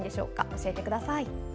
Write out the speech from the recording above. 教えてください。